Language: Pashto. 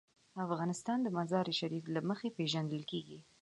افغانستان د مزارشریف له مخې پېژندل کېږي.